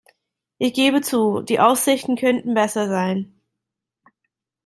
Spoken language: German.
Ich gebe zu, die Aussichten könnten besser sein.